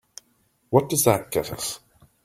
What does that get us?